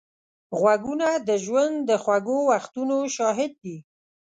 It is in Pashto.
غوږونه د ژوند د خوږو وختونو شاهد دي